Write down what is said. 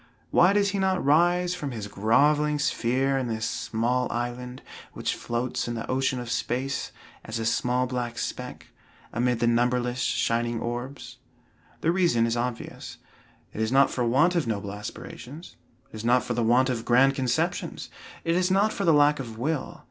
Why does he not rise from his groveling sphere in this small island, which floats in the ocean of space, as a small black speck, amid the numberless shining orbs? The reason is obvious; it is not for the want of noble aspirations; it is not for the want of grand conceptions; it is not for the lack of will.